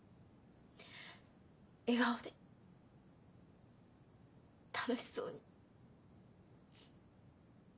笑顔で楽しそうに。